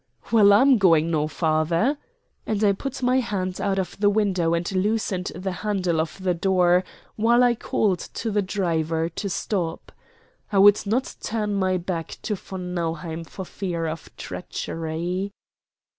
"Well, I'm going no farther." And I put my hand out of the window and loosened the handle of the door, while I called to the driver to stop. I would not turn my back to von Nauheim for fear of treachery.